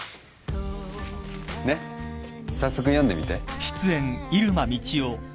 ねっ早速読んでみて。